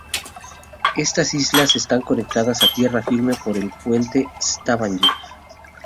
Estas islas están conectadas a tierra firme por el Puente de Stavanger.